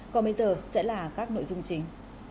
còn bây giờ sẽ là các nội dung chính